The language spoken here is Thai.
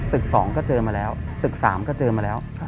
ตึก๒ก็เจอมาแล้วตึก๓ก็เจอมาแล้ว